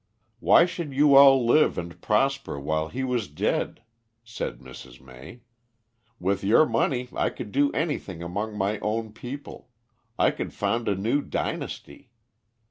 "Why should you all live and prosper while he was dead?" said Mrs. May. "With your money I could do anything among my own people. I could found a new dynasty.